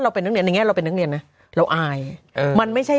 เป็นนักเรียนในแง่เราเป็นนักเรียนนะเราอายมันไม่ใช่